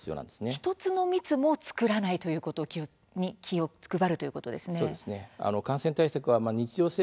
１つの密も作らないということに気を配るということですね。